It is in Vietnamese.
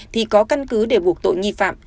thì có căn cứ để buộc tội nghi phạm